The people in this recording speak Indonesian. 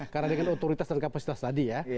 karena dengan otoritas dan kapasitas tadi ya